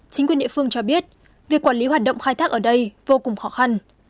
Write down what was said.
chính quyền địa phương cho biết việc quản lý hoạt động khai thác ở đây vô cùng khó khăn